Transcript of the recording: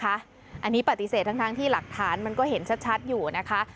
อันนี้ปฏิเสธทั้งที่หลักฐานมันก็เห็นชัดอยู่นะคะ